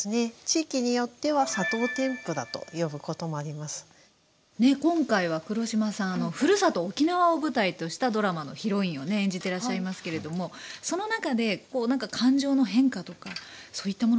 地域によっては今回は黒島さんふるさと沖縄を舞台としたドラマのヒロインをね演じてらっしゃいますけれどもその中で感情の変化とかそういったものって生まれました？